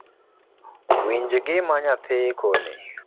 Winj gima nyathii koni